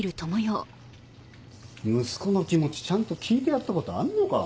息子の気持ちちゃんと聞いてやったことあんのか？